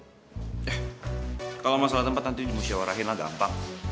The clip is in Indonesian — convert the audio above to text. eh kalau masalah tempat nanti dimusyawarahin lah gampang